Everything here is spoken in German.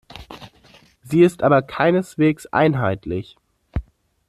Sie ist aber keineswegs einheitlich.